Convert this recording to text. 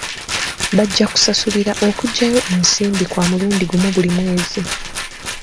Bajja kusasulira okuggyayo ensimbi kwa mulundi gumu buli mwezi.